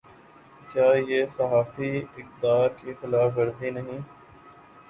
کیا یہ صحافی اقدار کی خلاف ورزی نہیں۔